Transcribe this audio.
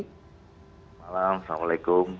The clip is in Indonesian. selamat malam assalamualaikum